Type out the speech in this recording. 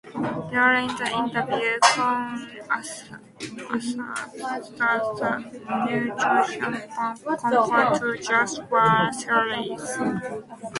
During the interview, Cohen asserts that the neutron bomb conforms to just war theories.